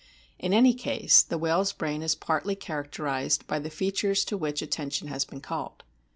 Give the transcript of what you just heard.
In any case the whale's brain is partly characterised by the features to which atten tion has been called.